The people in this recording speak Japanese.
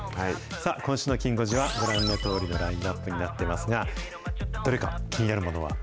さあ、今週のきん５時はご覧のとおりのラインナップになってますが、どれか気になるものは？